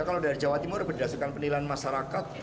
kalau dari jawa timur berdasarkan penilaian masyarakat